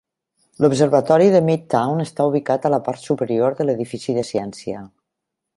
L'observatori de Midtown està ubicat a la part superior de l'edifici de ciència.